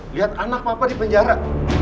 lihat anak papa di penjara